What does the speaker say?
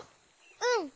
うん。